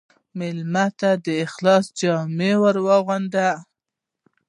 مېلمه ته د اخلاص جامې واغوندې.